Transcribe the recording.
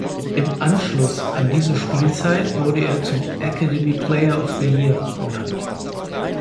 Im Anschluss an diese Spielzeit wurde er zum "Academy Player of the Year" benannt.